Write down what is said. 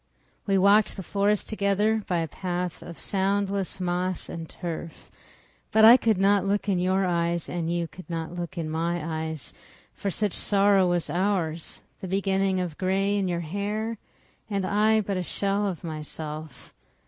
We walked the forest together, By a path of soundless moss and turf. But I could not look in your eyes, And you could not look in my eyes, For such sorrow was ours—the beginning of gray in your hair. And I but a shell of myself.